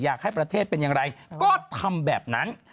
อยากให้ประเทศเป็นอย่างไรก็ทำแบบนั้น